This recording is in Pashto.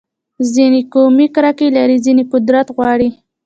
ځینې قومي کرکه لري، ځینې قدرت غواړي.